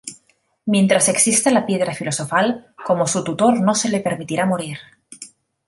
Mientras exista la Piedra Filosofal, como su tutor no se le permitirá morir.